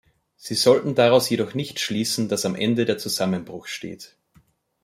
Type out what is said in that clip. Sie sollten daraus jedoch nicht schließen, dass am Ende der Zusammenbruch steht.